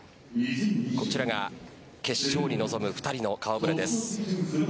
こちらが決勝に臨む２人の顔ぶれです。